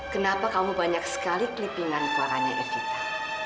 kenapa kamu banyak sekali klipingan keluarannya evita